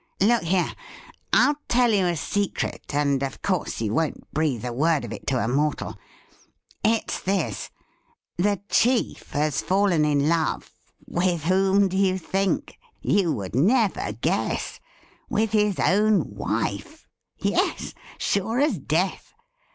Look here, I'll i;ell you a secret, and of course you won't breathe a word oi it to a mortal. It's this : the chief has fallen in love — with whom do you think .''— you would never guess — "with his own wife ! Yes, sure as death